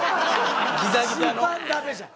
一番ダメじゃん。